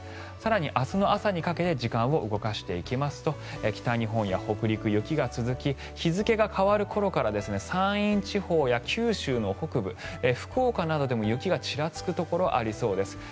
更に明日の朝にかけて時間を動かしていきますと北日本や北陸、雪が続き日付が変わる頃から山陰地方や九州の北部福岡などでも雪がちらつくところがありそうです。